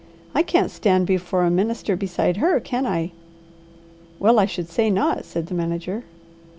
I can't stand before a minister beside her, can I?" "Well I should say not," said the manager.